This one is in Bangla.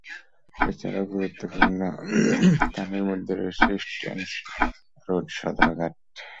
এছাড়াও গুরুত্বপূর্ণ স্থানের মধ্যে রয়েছে স্ট্র্যান্ড রোড, সদরঘাট।